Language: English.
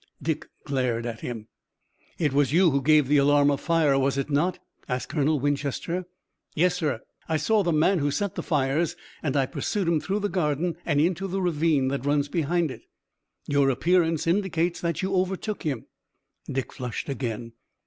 Dick glared at him. "It was you who gave the alarm of fire, was it not?" asked Colonel Winchester. "Yes, sir. I saw the man who set the fires and I pursued him through the garden and into the ravine that runs behind it." "Your appearance indicates that you overtook him." Dick flushed again.